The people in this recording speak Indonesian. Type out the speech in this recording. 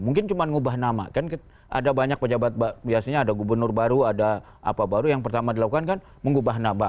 mungkin cuma ngubah nama kan ada banyak pejabat biasanya ada gubernur baru ada apa baru yang pertama dilakukan kan mengubah naba